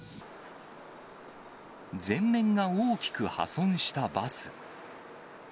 前面が大きく破損したバス。